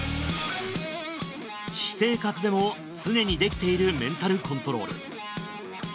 私生活でも常にできているメンタルコントロール。